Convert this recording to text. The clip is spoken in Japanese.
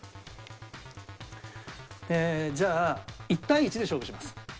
じゃあ１対１で勝負します。